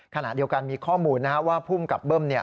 ขณะเดียวกันมีข้อมูลนะครับว่าผู้กับเบิ้ม